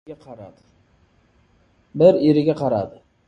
Bir eriga qaradi.